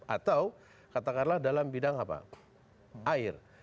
atau katakanlah dalam bidang apa air